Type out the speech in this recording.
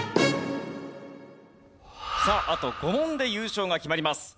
さああと５問で優勝が決まります。